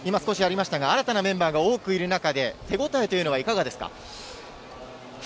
新たなメンバーが多くいる中で、手応えというのはいかがですか？